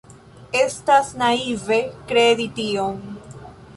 Estas naive kredi tion.